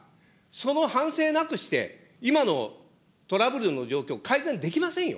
その反省なくして今のトラブルの状況、改善できませんよ。